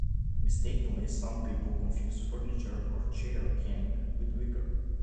Mistakenly some people confuse furniture or chair caning with wicker.